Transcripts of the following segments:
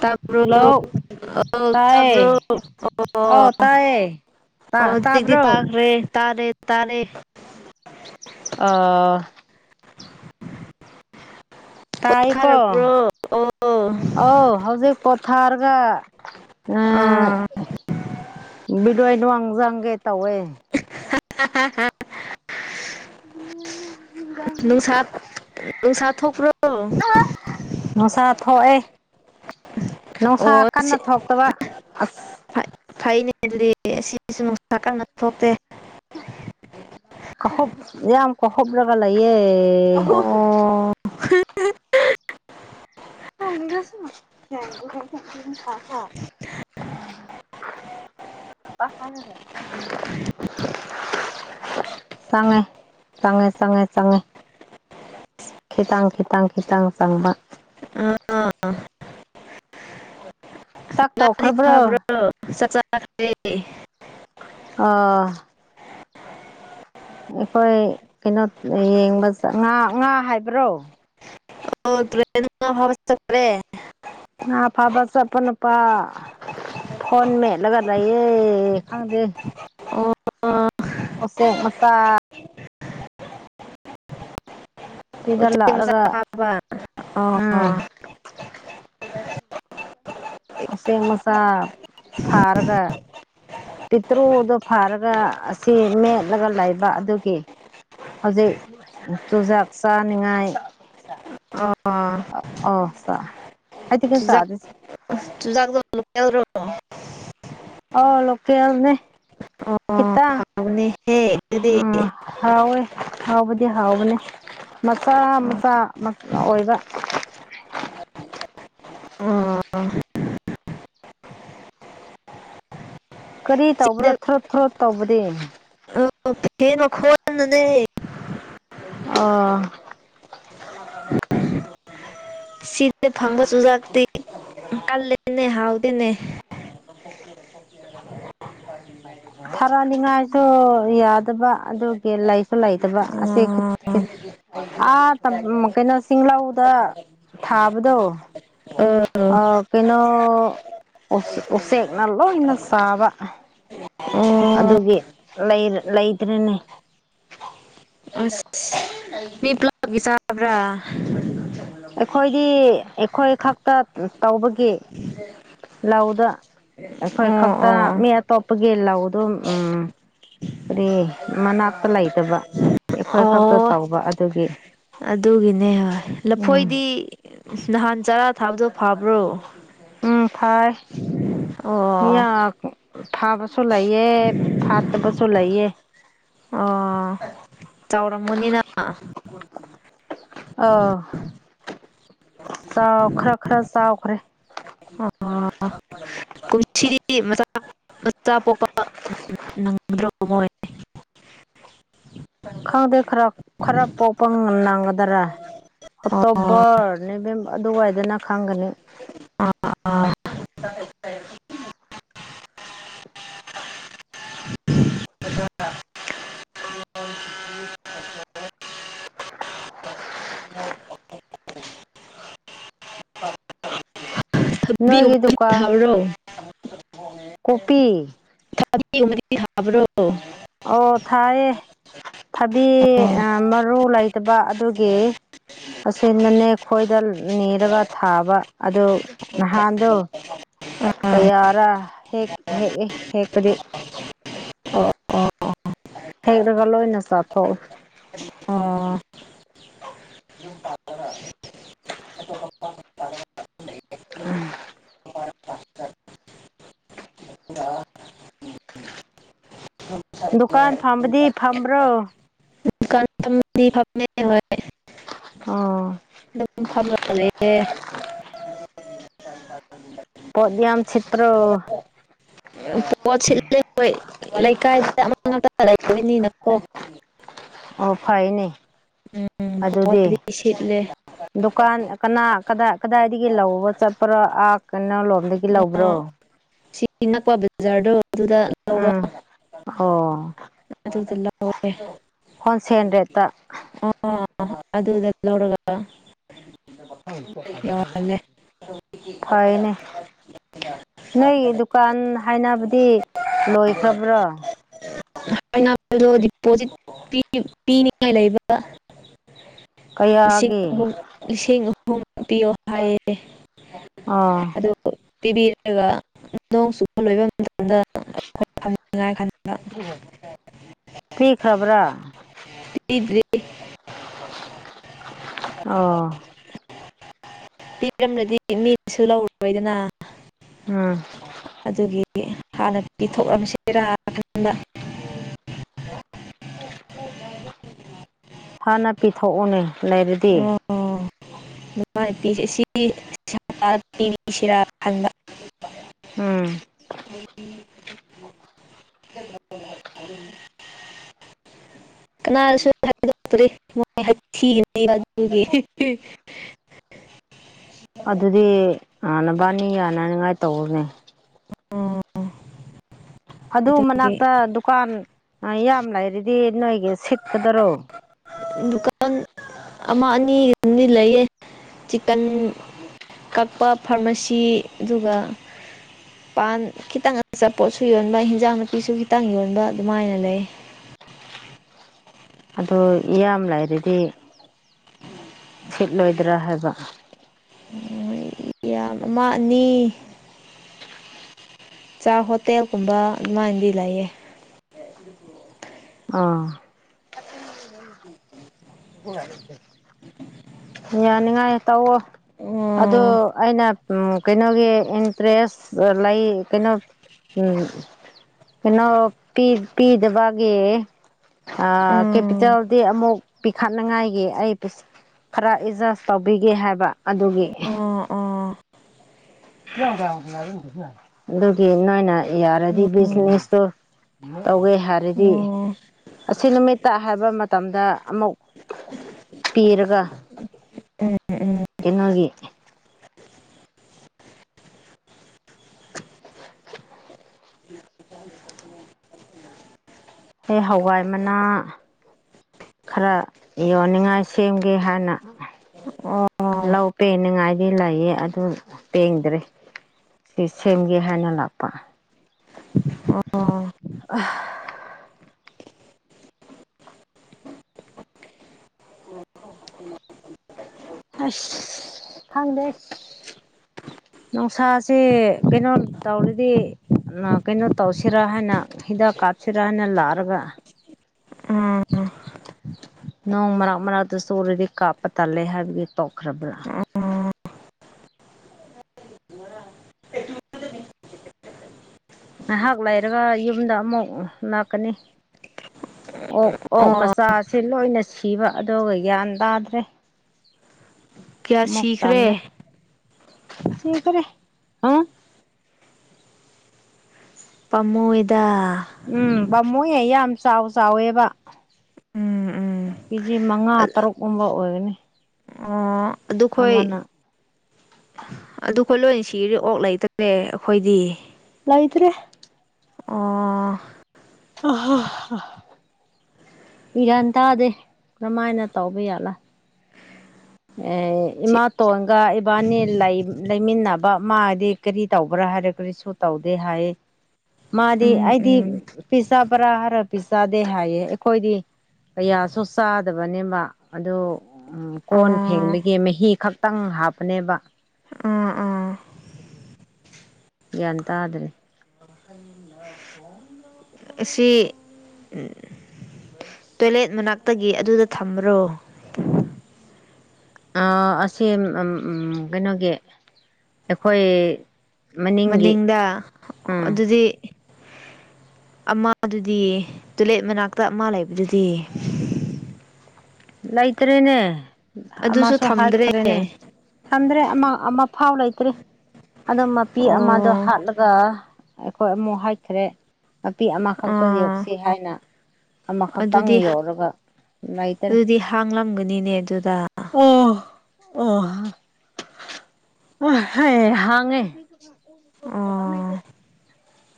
ꯇ꯭ꯔꯣ ꯍꯜꯂꯣ ꯇꯕ꯭ꯔꯣ ꯇꯥꯏꯌꯦ ꯑꯣ ꯑꯧ ꯇꯥꯏꯌꯦ ꯇꯥ ꯑꯣꯗꯤ ꯇꯥꯕ꯭ꯔꯣ ꯄꯥꯈ꯭ꯔꯦ ꯇꯥꯔꯦ ꯇꯥꯔꯦ ꯑꯥ ꯇꯥꯏꯀꯣ ꯄꯣꯊꯥꯔꯕ꯭ꯔꯣ ꯑꯣ ꯑ ꯍꯧꯖꯤꯛ ꯄꯣꯊꯥꯔꯒ ꯑꯥ ꯕꯤꯗꯋꯥꯏ ꯅꯨꯡꯖꯪꯒꯦ ꯇꯧꯋꯦ ꯍ ꯍ ꯎꯝ ꯅꯨꯡꯁꯥ ꯅꯨꯡꯁꯥ ꯊꯣꯛꯄ꯭ꯔꯣ ꯅꯨꯡꯁꯥ ꯊꯣꯛꯑꯦ ꯅꯨꯡꯁꯥ ꯑꯣ ꯁꯤ ꯀꯟꯅ ꯊꯣꯛꯇꯕ ꯑꯁ ꯐꯩꯅꯦ ꯑꯗꯨꯗꯤ ꯁꯤꯁꯨ ꯅꯨꯡꯁꯥ ꯀꯟꯅ ꯊꯣꯛꯇꯦ ꯀꯁ ꯑꯦ ꯌꯥꯝꯝ ꯀꯁꯕ ꯂꯒ ꯂꯥꯏꯌꯦ ꯑꯣ ꯝꯒꯁꯦꯡꯒ ꯈ ꯈ [unintelligible] ꯎ ꯄ ꯍ ꯆꯪꯉꯦ ꯆꯪꯉꯦ ꯆꯉꯦ ꯆꯉꯦ ꯈꯤꯇꯥꯡ ꯈꯤꯇꯥꯡ ꯈꯤꯇꯥꯡ ꯆꯪꯕ ꯑꯥ ꯆꯥꯛ ꯉꯗ ꯇꯧꯈ꯭ꯔꯕ꯭ꯔꯣ ꯐꯥꯕ꯭ꯔꯣ ꯆꯥꯛ ꯆꯈꯔ꯭ꯦ ꯑꯥ ꯑꯈꯣꯏ ꯀꯩꯅꯣ ꯌꯦꯡꯕꯆ ꯉꯥ ꯉꯥ ꯍꯥꯏꯕ꯭ꯔꯣ꯫ ꯑꯣ ꯇ꯭ꯔꯦ ꯉꯥ ꯐꯥꯕ‌ ꯆꯠꯇ꯭ꯔ‌ꯦ꯫ ꯍꯥ ꯐꯥꯕꯁꯄ ꯄ ꯐꯣꯟ ꯃꯦꯠꯂꯒ ꯂꯩꯏꯌꯦ ꯈꯪꯗꯦ꯫ ꯑꯣ꯫ ꯑꫭꯆꯦꯛ ꯃꯆꯥ꯫ ꯁꯤꯗ ꯎꯆꯦꯛ ꯃꯆꯥ ꯂꯥꯛꯂꯒ ꯐꯥꯕ ꯑꯣ ꯎꯝ [inaudible] ꯎꯆꯦꯛ ꯃꯆꯥ ꯐꯥꯔꯒ ꯄꯤꯇ꯭ꯔꯨꯗꯨ ꯐꯥꯔꯒ ꯑꯁꯤ ꯃꯦꯠꯂꯒ ꯂꯩꯕ ꯑꯗꯨꯒꯤ ꯍꯧꯖꯤꯛ ꯆꯨꯖꯥꯛ ꯆꯥꯅꯤꯉꯥꯏ ꯑ [unintelligible] ꯆꯨꯖꯥꯛ ꯆꯨꯖꯥꯛ ꯂꯣꯀꯦꯜꯔꯣ ꯑꯣ ꯂꯣꯀꯦꯜꯅꯦ ꯑꯣ ꯍꯥꯎꯕꯅꯦꯍꯦ ꯑꯗꯨꯗꯤ [unintelligible] ꯍꯥꯎꯋꯦ ꯍꯥꯎꯕꯗꯤ ꯍꯥꯎꯕꯅꯦ ꯃꯆꯥ ꯃꯆꯥ ꯑꯣꯏꯕ [unintelligible] ꯀꯔꯤ ꯇꯧꯕ꯭ꯔꯣ ꯁꯤꯗ ꯊꯔꯣꯠ ꯊꯔꯣꯠ ꯇꯧꯕꯗꯤ [unintelligible] ꯑꯣ [unintelligible] ꯁꯤꯗ ꯐꯥꯕ ꯆꯨꯖꯥꯛꯇꯤ ꯀꯜꯂꯦꯅꯦ ꯍꯥꯥꯎ [unintelligible] ꯊꯔꯥꯅꯤꯡꯉꯥꯏꯁꯨ ꯌꯥ ꯗꯕ ꯑꯗꯨꯒꯤ ꯂꯩꯁꯨ ꯂꯩꯇꯕ ꯑꯁꯤ ꯑꯣ [unintelligible] ꯑꯥ ꯇꯝ ꯀꯩꯅꯣ ꯆꯤꯡꯂꯧꯗ ꯊꯥꯕꯗꯣ ꯑꯣ ꯑ ꯀꯩꯅꯣ ꯎꯆꯦꯛꯅ ꯂꯣꯏꯅ ꯆꯥꯕ ꯑꯣ ꯑꯗꯨꯒꯤ ꯂꯩꯔ ꯂꯩꯇ꯭ꯔꯦꯅꯦ ꯑꯁ ꯃꯤ ꯄꯨꯂꯞꯒꯤ ꯆꯥꯕ꯭ꯔꯥ ꯑꯩꯈꯣꯏꯗꯤ ꯑꯩꯈꯣꯏ ꯈꯛꯇ ꯇꯧꯕꯒꯤ ꯂꯧꯗ ꯑꯩꯈꯣꯏ ꯑꯣ ꯈꯛꯇ ꯑꯣ ꯃꯤ ꯑꯇꯣꯞꯄꯒꯤ ꯂꯧꯗꯣ ꯎꯝ ꯀꯔꯤ ꯃꯅꯥꯛꯇ ꯂꯩꯇꯕ ꯑꯩꯈꯣꯏ ꯈꯛꯇ ꯑꯣ ꯇꯧꯕ ꯑꯗꯨꯒꯤ ꯑꯗꯨꯒꯤꯅꯦ ꯍꯣꯏ ꯎꯝ ꯂꯐꯣꯏꯗꯤ ꯅꯍꯥꯟ ꯆꯔꯥ ꯊꯥꯕꯗꯣ ꯐꯥꯕ꯭ꯔꯣ ꯎꯝ ꯐꯔ‌ꯦ ꯑꯣ ꯐꯥꯕꯁꯨ ꯂꯩꯌꯦ ꯐꯥꯠꯇꯕꯁꯨ ꯂꯩꯌꯦ ꯑꯣ ꯆꯥꯎꯔꯝꯃꯅꯤꯅ ꯑ [unintelligible] ꯆꯥꯎ ꯈꯔ ꯈꯔ ꯆꯥꯎꯈ꯭ꯔꯦ ꯑ [unintelligible] ꯀꯨꯝꯁꯤꯗꯤ ꯃꯆꯥ ꯃꯆꯥ ꯄꯣꯛꯄ ꯅꯪꯗ꯭ꯔꯕ ꯃꯣꯏ ꯈꯪꯗꯦ ꯈꯔ ꯈꯔ ꯄꯣꯛꯄ ꯅꯪꯒꯗꯔꯥ ꯑꯣ ꯑꯣꯛꯇꯣꯕꯔ ꯅꯕꯦꯝ ꯑꯗꯨꯋꯥꯏꯗꯅ ꯈꯪꯒꯅꯤ ꯑ [unintelligible] [unintelligible] ꯊꯕꯤ ꯅꯣꯏꯒꯤ ꯒꯨꯝꯕꯗꯤ ꯗꯨꯀꯥꯟ ꯊꯥꯕ꯭ꯔꯣ ꯀꯣꯄꯤ ꯊꯕꯤ ꯒꯨꯝꯕꯗꯤ ꯊꯥꯕ꯭ꯔꯣ ꯑꯣ ꯑꯣ ꯊꯥꯏꯌꯦ ꯊꯕꯤ ꯑ ꯑꯥ ꯃꯔꯨ ꯂꯩꯇꯕ ꯑꯗꯨꯒꯤ ꯑꯁꯦꯟꯅꯅꯦ ꯈꯣꯏꯗ ꯅꯤꯔꯒ ꯊꯥꯕ ꯑꯗꯨ ꯅꯍꯥꯟꯗꯣ ꯀꯌꯥꯔ ꯍꯦꯛ ꯍꯦꯛ ꯍꯦꯛꯄꯗꯤ ꯑꯣ ꯑꯣ ꯍꯦꯛꯂꯒ ꯂꯣꯏꯅ ꯆꯥꯊꯣꯛꯏ ꯑꯣ [unintelligible] [unintelligible] ꯗꯨꯀꯥꯟ ꯐꯝꯕꯗꯤ ꯐꯝꯕ꯭ꯔꯣ ꯍꯧꯖꯤꯛꯀꯥꯟ ꯐꯝꯗꯤ ꯐꯝꯃꯦ [unintelligible] ꯑꯣ ꯑꯗꯨꯝ ꯐꯝꯃ ꯂꯩꯌ‌ꯦ꯫ ꯄꯣꯌꯥꯝ ꯆꯦꯇ꯭ꯔ ꯄꯣꯠꯁꯤꯣꯏ ꯂꯩꯀꯥꯏꯗ ꯑꯃꯥꯡ ꯂꯩꯅꯤꯅ ꯎꯝ ꯑꯣ ꯐꯩꯅꯦ ꯄꯣ ꯑꯗꯨꯗꯤ ꯇꯔꯤꯁꯤꯠꯂꯦ ꯗꯨꯀꯥꯟ ꯀꯅꯥ ꯀꯗꯥꯏ ꯀꯗꯥꯏꯗꯒꯤ ꯂꯧꯕ ꯆꯠꯄ꯭ꯔꯣ ꯑꯥ ꯀꯩꯅꯣ ꯂꯣꯝꯗꯒꯤ ꯂꯧꯕ꯭ꯔꯣ ꯑꯣ ꯁꯤ ꯅꯛꯄ ꯕꯖꯥꯔꯗꯣ ꯑꯗꯨꯗ ꯂꯧꯕ ꯎꯝ ꯑꯣ ꯑꯗꯨꯗ ꯂꯥꯎꯑꯦ꯫ ꯍꯣꯜꯁꯦꯜ ꯔꯦꯠꯇ ꯑ ꯑꯗꯨꯗ ꯂꯧꯔꯒ ꯌꯥꯔꯜꯂꯦ ꯐꯩꯅꯦ ꯅꯣꯏꯒꯤ [unintelligible] ꯗꯨꯀꯥꯟ ꯍꯥꯏꯅꯕꯗꯤ ꯂꯣꯏꯈ꯭ꯔꯕ꯭ꯔꯣ ꯍꯥꯏꯗꯣ ꯗꯤꯄꯣꯖꯤꯠ ꯄꯤꯅꯤꯡꯉꯥꯏ ꯂꯩꯕ ꯂꯤꯁꯤꯡ ꯀꯌꯥꯒꯤ ꯑꯍꯨꯝ ꯂꯤꯁꯤꯡ ꯑꯍꯨꯝ ꯄꯤꯌꯣ ꯍꯥꯏ ꯑꯣ ꯑꯗꯨ꯫ ꯄꯤꯕꯤꯔꯒ ꯅꯣꯡ ꯆꯨꯕ ꯂꯣꯏꯕ ꯃꯇꯝꯗꯝꯉꯥꯏ ꯈꯟꯕ ꯄꯤ ꯈ꯭ꯔꯥꯕ꯭ꯔꯥ ꯄꯤꯗ꯭ꯔꯤ ꯑꯣ ꯄꯤꯔꯝ꯭ꯔꯗꯤ ꯃꯤꯁꯨ ꯂꯧꯔꯔꯣꯏꯗꯅ ꯎꯝ꯫ ꯑꯗꯨꯒꯤ ꯍꯥꯟꯅ ꯄꯤꯊꯣꯛꯑꯝꯁꯤꯔꯥꯀꯟꯕ ꯫ ꯍꯥꯟꯅ ꯄꯤꯊꯣꯛꯎꯅꯦ ꯂꯩꯔꯗꯤ ꯑꯣ ꯑꯗꯨꯃꯥꯏꯅ ꯄꯁꯁꯤ ꯄꯤꯁꯤꯔꯥ ꯈꯟꯕ꯫ ꯎꯝ ꯀꯅꯥꯅꯁꯨ ꯍꯥꯏꯗꯣꯛꯇ꯭ꯔꯔꯤ ꯊꯤꯒꯤ ꯑꯗꯨꯗꯤ ꯅꯕꯥꯅꯤ ꯌꯥꯅꯅꯤꯉꯥꯏ ꯇꯧꯌꯣꯅꯦ ꯑꯣ ꯑꯗꯨ ꯑꯗꯨꯒꯤ ꯃꯅꯥꯛꯇ ꯗꯨꯀꯥꯟ ꯌꯥꯝ ꯂꯩꯔꯤꯗꯤ ꯅꯣꯏꯒꯤ ꯁꯤꯠꯀꯗꯔꯣ ꯗꯨꯀꯥꯟ ꯑꯃ ꯑꯅꯤꯒ ꯑꯗꯨꯗꯤ ꯂꯩꯌꯦ ꯆꯤꯀꯟ ꯀꯛꯄ ꯐꯥꯔꯃꯥꯁꯤ ꯑꯗꯨꯒ ꯄꯥꯟ ꯈꯤꯇꯪ ꯑꯆꯥꯄꯣꯠꯁꯨ ꯌꯣꯟꯕ ꯍꯟꯖꯥꯡ ꯅꯥꯄꯤꯁꯨ ꯈꯤꯇꯪ ꯌꯣꯟꯕ ꯑꯗꯨꯃꯥꯏꯅ ꯂꯩ꯫ ꯑꯣ ꯏꯌꯥꯝ ꯂꯥꯏꯔꯗꯤ ꯁꯤꯠꯂꯣꯏꯗ꯭ꯔꯥ ꯍꯥꯏꯕ ꯌꯥꯝ ꯑꯃ ꯑꯅꯤ ꯆꯥ ꯍꯣꯇꯦꯜꯒꯨꯝꯕ ꯑꯗꯨꯃꯥꯏꯅꯗꯤ ꯂꯩꯌꯦ ꯑꯥ ꯌꯥꯅꯤꯡꯉꯥꯏ ꯇꯧꯑꯣ ꯑꯗꯨ ꯑꯣ ꯑꯩꯅ ꯎ ꯀꯩꯅꯣꯒꯤ ꯏꯟꯇꯔꯦꯁ ꯂꯩ ꯀꯩꯅꯣ ꯀꯩꯅꯣ ꯄꯤ ꯄꯤꯗꯕꯒꯦ ꯎꯝ ꯀꯦꯄꯤꯇꯦꯜꯗꯤ ꯑꯃꯨꯛ ꯄꯤꯈꯠꯅꯤꯉꯥꯏꯒꯤ ꯑꯩ ꯈꯔ ꯑꯦꯖꯔꯥꯁ ꯇꯧꯕꯤꯒꯦ ꯍꯥꯏꯕ ꯑꯗꯨꯒꯤ ꯎꯥ ꯑꯥ ꯏ ꯌꯥꯝꯗ꯭ꯔꯝꯔ ꯎ ꯑꯗꯨꯒꯤ ꯅꯣꯏꯅ ꯌꯥꯔꯗꯤ ꯎꯝ ꯕꯤꯖꯤꯅꯦꯁꯇꯣ ꯇꯧꯒꯦ ꯍꯥꯏꯔꯗꯤ ꯎꯝ ꯑꯁꯤ ꯅꯨꯃꯤꯠꯇ ꯍꯥꯏꯕ ꯃꯇꯝꯗ ꯑꯃꯨꯛ ꯄꯤꯔꯒ ꯎꯝ ꯀꯩꯅꯣꯒꯤ ꯑꯩ ꯍꯋꯥꯏ ꯃꯅꯥ ꯈꯔ ꯌꯣꯟꯅꯤꯡꯉꯥꯏ ꯁꯦꯝꯒꯦ ꯍꯥꯏꯅ ꯎꯝ ꯑꯣ ꯂꯧ ꯄꯦꯡꯅꯤꯡꯉꯥꯏꯗꯤ ꯂꯩꯌꯦ ꯑꯗꯨ ꯄꯦꯡꯗ꯭ꯔꯦ ꯁꯤ ꯁꯦꯝꯒꯦ ꯍꯥꯏꯅ ꯂꯥꯛꯄ ꯑꯣ [unintelligible] ꯍꯩꯁ ꯈꯪꯗꯦ ꯅꯨꯡꯁꯥꯁꯦ ꯀꯩꯅꯣ ꯇꯧꯔꯤꯗꯤ ꯀꯩꯅꯣ ꯇꯧꯁꯤꯔꯥ ꯍꯥꯏꯅ ꯍꯤꯗꯥꯛ ꯀꯥꯞꯁꯤꯔꯥ ꯍꯥꯏꯅ ꯂꯥꯛꯔꯒ ꯎꯝ ꯅꯣꯡ ꯃꯔꯛ ꯃꯔꯛꯇ ꯆꯨꯔꯗꯤ ꯀꯥꯞꯄ ꯇꯥꯜꯂꯦ ꯍꯥꯏꯕꯒꯤ ꯇꯣꯛꯈ꯭ꯔꯕ꯭ꯔꯥ ꯎꯝ ꯉꯥꯏꯍꯥꯛ ꯂꯩꯔꯒ ꯌꯨꯝꯗ ꯑꯃꯨꯛ ꯂꯥꯛꯀꯅꯤ ꯑꯣꯛ ꯑꯣꯛ ꯑꯣ ꯃꯆꯥꯁꯤ ꯂꯣꯏꯅ ꯁꯤꯕ ꯑꯗꯨꯒ ꯒ꯭ꯌꯥꯟ ꯇꯥꯗ꯭ꯔꯦ ꯀꯌꯥ ꯁꯤꯈ꯭ꯔꯦ [unintelligible] ꯄꯥꯃꯨꯏꯗ ꯎꯝ ꯄꯥꯝꯃꯨꯏ ꯑ ꯌꯥꯝ ꯆꯥꯎ ꯆꯥꯎꯋꯦꯕ ꯎꯝ ꯎꯝ ꯀꯦꯖꯤ ꯃꯉꯥ ꯇꯔꯨꯛꯀꯨꯝꯕ ꯑꯣꯏꯒꯅꯤ ꯑꯣ ꯑꯗꯨ ꯈꯣꯏ ꯑꯃꯅ ꯑꯗꯨꯈꯣꯏ ꯂꯣꯏ ꯁꯤꯔꯦ ꯑꯣꯛ ꯂꯩꯇ꯭ꯔꯦ ꯑꯩꯈꯣꯏꯗꯤ ꯂꯩꯇ꯭ꯔꯦ ꯑꯣ [unintelligible] ꯒ꯭ꯌꯥꯟ ꯇꯥꯗꯦ ꯀꯝꯃꯥꯏꯅ ꯇꯧꯕ ꯌꯥꯠꯂꯥ ꯑꯦ ꯁꯤ ꯏꯃꯥꯇꯣꯟꯒ ꯏꯕꯥꯅꯤ ꯂꯩꯃꯤꯟꯅꯕ ꯃꯥꯗꯤ ꯀꯔꯤ ꯇꯧꯕ꯭ꯔꯥ ꯍꯥꯏꯔ ꯀꯔꯤꯁꯨ ꯇꯧꯗꯦ ꯍꯥꯏꯌꯦ ꯃꯥꯗꯤ ꯎꯝ ꯑꯩꯗꯤ ꯎꯝ ꯄꯤ ꯄꯔꯥ ꯍꯥꯏꯔ ꯄꯤ ꯆꯥꯗꯦ ꯍꯥꯏꯌꯦ ꯑꯩꯈꯣꯏꯗꯤ ꯀꯌꯥꯁꯨ ꯆꯥꯗꯕꯅꯦꯕ ꯑꯗꯨ ꯀꯣꯟ ꯑꯣ ꯐꯦꯡꯕꯒꯤ ꯃꯍꯤ ꯈꯛꯇꯪ ꯍꯥꯞꯄꯅꯦꯕ ꯑꯥ ꯑꯥ ꯎꯝ ꯒ꯭ꯌꯥꯟ ꯇꯥꯗ꯭ꯔꯦ [unintelligible] ꯑꯁꯤ ꯇꯣꯏꯂꯦꯠ ꯃꯅꯥꯛꯇꯒꯤ ꯑꯗꯨꯗ ꯊꯝꯕ꯭ꯔꯣ ꯑ ꯑꯁꯤ ꯀꯩꯅꯣꯒꯤ ꯑꯩꯈꯣꯏ ꯃꯅꯤꯡꯒꯤ ꯃꯅꯤꯡꯗ ꯎꯝ ꯑꯗꯨꯗꯤ ꯑꯃꯗꯨꯗꯤ ꯇꯣꯏꯂꯦꯠ ꯃꯅꯥꯛꯇ ꯑꯃ ꯂꯩꯕꯗꯨꯗꯤ ꯂꯩꯇ꯭ꯔꯦꯅꯦ ꯑꯗꯨꯁꯨ ꯑꯃꯁꯨ ꯊꯝꯗ꯭ꯔꯦ ꯍꯥꯠꯈ꯭ꯔꯦꯅꯦ ꯊꯝꯗ꯭ꯔꯦ ꯑꯃ ꯑꯃ ꯐꯥꯎ ꯂꯩꯇ꯭ꯔꯦ ꯑꯗꯣ ꯃꯄꯤ ꯑꯃꯗꯣ ꯑꯣ ꯍꯥꯠꯂꯒ ꯑꯩꯈꯣꯏ ꯑꯃꯨꯛ ꯍꯥꯏꯈ꯭ꯔꯦ ꯃꯄꯤ ꯑꯃꯈꯛꯇ ꯑꯥ ꯌꯣꯛꯁꯤ ꯍꯥꯏꯅ ꯑꯃꯈꯛꯇꯪ ꯑꯗꯨꯗꯤ ꯌꯧꯔꯒ ꯂꯩꯇꯔꯦ ꯑꯗꯨꯗꯤ ꯍꯥꯡꯂꯝꯒꯅꯤꯅꯦ ꯑꯗꯨꯗ [unintelligible] ꯍꯥꯡꯉꯦ ꯑꯣ [unintelligible]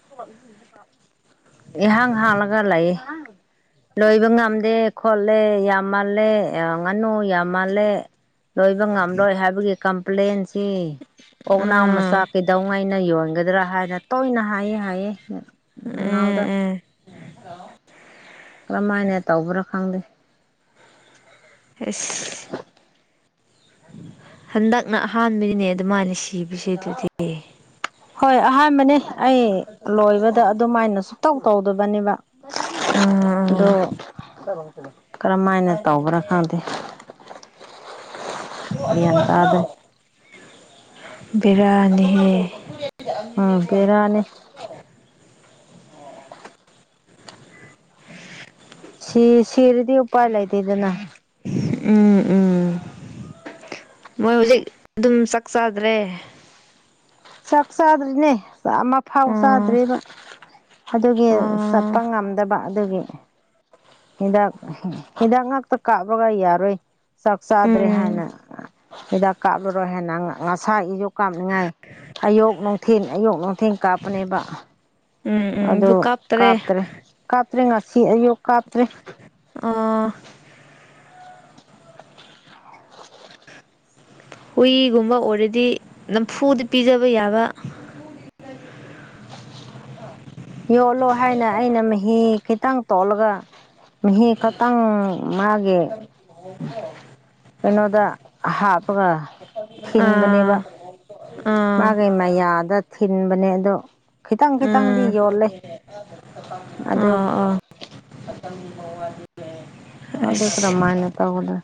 [unintelligible] ꯏꯍꯥꯡ ꯍꯥꯡꯂꯒ ꯂꯩꯌꯦ ꯂꯣꯏꯕ ꯉꯝꯗꯦ ꯈꯣꯠꯂꯦ ꯌꯥꯝ ꯃꯥꯜꯂꯦ ꯉꯥꯅꯨ ꯌꯥꯝ ꯃꯥꯜꯂꯦ ꯂꯣꯏꯕ ꯉꯝꯂꯣꯏ ꯍꯥꯏꯕꯒꯤ ꯀꯝꯄ꯭ꯂꯦꯟꯁꯤ ꯑꯣꯛꯅꯥꯎ ꯃꯆꯥ ꯎꯝ ꯀꯩꯗꯧꯉꯩꯅ ꯌꯣꯟꯒꯗ꯭ꯔꯥ ꯍꯥꯏꯅ ꯇꯣꯏꯅ ꯍꯥꯏꯌꯦ ꯍꯥꯏꯌꯦ ꯎꯝ ꯅꯥꯎꯗ ꯎꯝ ꯀꯔꯝꯍꯥꯏꯅ ꯇꯧꯕ꯭ꯔꯥ ꯈꯪꯗꯦ ꯑꯦꯁ ꯍꯟꯗꯛꯅ ꯑꯍꯥꯟꯕꯒꯤꯅꯦ ꯑꯗꯨꯃꯥꯏꯅ ꯁꯤꯕꯁꯦ ꯑꯗꯨꯗꯤ ꯍꯣꯏ ꯑꯍꯥꯟꯕꯅꯤ ꯑꯩ ꯂꯣꯏꯕꯗ ꯑꯗꯨꯃꯥꯏꯅ ꯁꯨꯛꯇꯧ ꯇꯧꯗꯕꯅꯦꯕ ꯑꯗꯨ ꯑꯥ ꯀꯔꯝꯥꯏꯅ ꯇꯧꯕ꯭ꯔꯥ ꯈꯪꯗꯦ ꯒ꯭ꯌꯥꯟ ꯇꯥꯗ꯭ꯔꯦ ꯕꯤꯔꯥꯅꯤꯍꯦ ꯎꯝ ꯕꯦꯔꯥꯅꯤ ꯁꯤ ꯁꯤꯔꯗꯤ ꯎꯄꯥꯏ ꯂꯩꯗ ꯏꯗꯅ ꯎꯝ ꯎꯝ ꯃꯣꯏ ꯍꯧꯖꯤꯛ ꯑꯗꯨꯝ ꯆꯥꯛ ꯆꯗ꯭ꯔꯦ ꯆꯥꯛ ꯆꯥꯗ꯭ꯔꯤꯅꯦꯥꯛ ꯑꯃ ꯐꯥꯎ ꯑꯣ ꯆꯥꯗ꯭ꯔꯤꯕ ꯑꯗꯨꯒꯤ ꯀꯄ ꯑꯣ ꯉꯝꯗꯕ ꯑꯗꯨꯒꯤ ꯍꯤꯗꯥꯛ ꯍꯤꯗꯥꯛ ꯉꯥꯛꯇ ꯀꯥꯞꯄꯒ ꯌꯥꯔꯣꯏ ꯆꯥꯛ ꯆꯥꯗ꯭ꯔꯦ ꯍꯥꯏꯅ ꯎꯝ ꯍꯤꯗꯥꯛ ꯀꯥꯞꯂꯨꯔꯣꯏ ꯍꯥꯏꯦꯅ ꯉꯁꯥ ꯏꯖꯨ ꯀꯥꯞꯅꯤꯡꯉꯥꯏ ꯑꯌꯣꯛ ꯅꯨꯡꯊꯦꯟ ꯑꯌꯣꯛ ꯅꯨꯡꯊꯦꯟ ꯀꯥꯞꯄꯅꯦꯕ ꯎꯝ ꯎꯝ ꯑꯗꯨ ꯀꯥꯞꯇꯔꯦ ꯀꯥꯞꯇ꯭ꯔꯦ ꯀꯥꯞꯇ꯭ꯔꯦ ꯉꯁꯤ ꯑꯌꯨꯛ ꯀꯥꯞꯇ꯭ꯔꯦ ꯑꯥ ꯍꯨꯏꯒꯨꯝꯕ ꯑꯣꯏꯔꯗꯤ ꯅꯝꯐꯨꯗ ꯄꯤꯖꯕ ꯌꯥꯕ ꯌꯣꯜꯂꯣ ꯍꯥꯏꯅ ꯑꯩꯅ ꯃꯍꯤ ꯈꯤꯇꯪ ꯇꯣꯠꯂꯒ ꯃꯍꯤ ꯈꯇꯪ ꯃꯥꯒꯦ ꯍ ꯍꯗꯣ ꯀꯩꯅꯣꯗ ꯍꯥꯞꯄꯒ ꯑꯥ ꯊꯤꯟꯕꯅꯦꯕ ꯑꯥ ꯃꯥꯒꯩ ꯃꯌꯥꯗ ꯊꯤꯟꯕꯅꯦ ꯑꯗꯣ ꯈꯤꯇꯪ ꯈꯤꯇꯪꯗꯤ ꯎꯝ ꯌꯣꯜꯂꯦ ꯑꯗꯨ ꯑꯥ ꯑꯥ ꯑ ꯀꯔ ꯑꯁ ꯃꯥꯏꯅ ꯇꯧꯒꯗ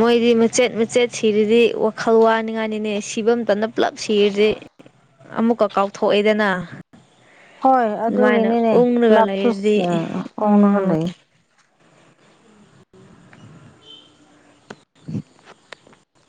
ꯃꯣꯏꯗꯤ ꯃꯆꯦꯠ ꯃꯆꯦꯠ ꯁꯤꯔꯗꯤ ꯋꯥꯈꯜ ꯋꯥꯅꯤꯡꯉꯥꯏꯅꯤꯅꯦ ꯁꯤꯐꯝꯇꯅ ꯄꯨꯜꯂꯞ ꯁꯤꯔꯗꯤ ꯑꯃꯨꯛꯀ ꯀꯥꯎꯊꯣꯛꯑꯦꯗꯅ ꯍꯣꯏ ꯑꯗꯨꯃꯥꯏꯅ ꯑꯗꯨꯒꯤꯅꯤꯅꯦ ꯎꯪꯉꯒ ꯄꯨꯂꯞꯁꯨ ꯂꯩꯔꯗꯤ ꯑꯣꯡꯂꯒ ꯎꯝ ꯂꯩ [inaudible]